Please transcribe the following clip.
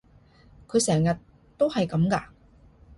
佢成日都係噉㗎？